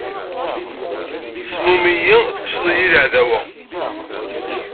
Snum-iyi, tekkseḍ-iyi, d laɛdawa.